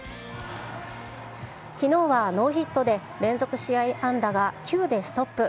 きのうはノーヒットで、連続試合安打が９でストップ。